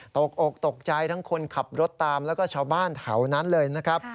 ตกอกตกใจทั้งคนขับรถตามแล้วก็ชาวบ้านแถวนั้นเลยนะครับ